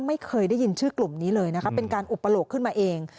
ไม่เคยได้ยินชื่อกลุ่มนี้เลยนะคะเป็นการอุปโลกขึ้นมาเอง